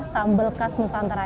sambel khas nusantara ini